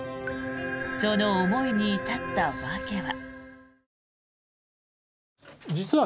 その思いに至った訳は。